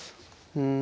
うん。